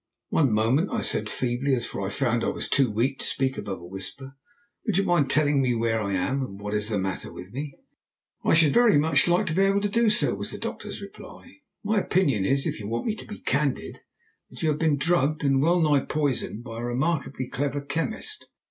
"One moment," I said feebly, for I found I was too weak to speak above a whisper. "Would you mind telling me where I am, and what is the matter with me?" "I should very much like to be able to do so," was the doctor's reply. "My opinion is, if you want me to be candid, that you have been drugged and well nigh poisoned by a remarkably clever chemist.